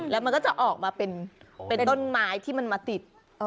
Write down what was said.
แล้วมันก็จะออกมาเป็นต้นไม้ที่มันมาติด